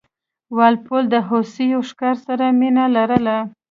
وال پول د هوسیو ښکار سره مینه لرله.